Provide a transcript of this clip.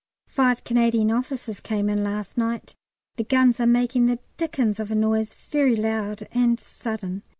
Five Canadian officers came in last night. The guns are making the dickens of a noise, very loud and sudden.